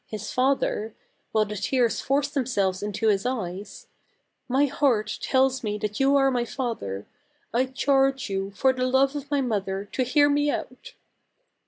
203 father, while the tears forced themselves into his eyes :" My heart tells me that you are my father. I charge you, for the love of my mother, to hear me out